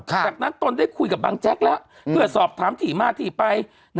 จากนั้นตนได้คุยกับบางแจ๊กแล้วเพื่อสอบถามที่มาที่ไป